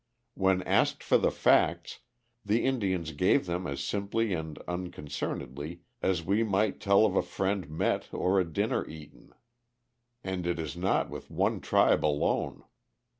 When asked for the facts, the Indians gave them as simply and as unconcernedly as we might tell of a friend met or a dinner eaten. And it is not with one tribe alone.